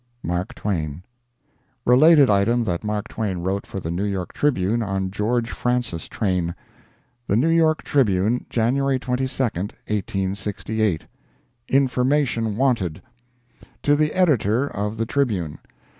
MARK TWAIN. [Related item that Mark Twain wrote for the New York Tribune on GEORGE FRANCIS TRAIN.] The New York Tribune, January 22, 1868 INFORMATION WANTED. To the Editor of The Tribune.